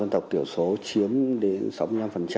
tộc tiểu số chiếm đến sáu mươi năm